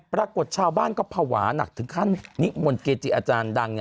ปรากฏชาวบ้านก็ภาวะหนักถึงขั้นนิมนต์เกจิอาจารย์ดัง